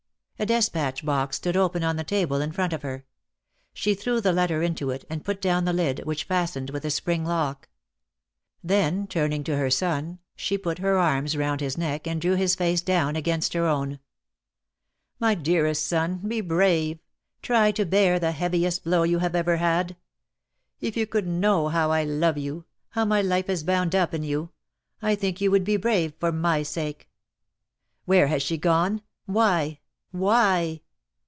A despatch box stood open on the table in front of her. She threw the letter into it and put down the lid, which fastened with a spring lock. Then turning to her son, she put her arms round his neck and drew his face down against her own. "My dearest son, be brave! Try to bear the heaviest blow you have ever had. If you could know how I love you, how my life is bound up in you, I think you would be brave for my sake." "Where has she gone? Why? Why?"